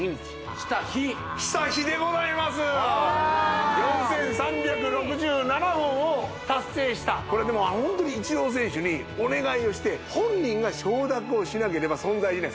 素晴らしい４３６７本を達成したこれでもホントにイチロー選手にお願いをして本人が承諾をしなければ存在しない